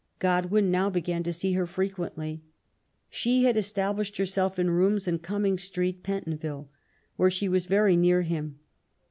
Godwin now began to see her frequently. She had established herself in rooms in Gumming Street, Pen tonville, where she was very near him.